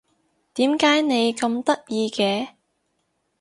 點解你咁得意嘅？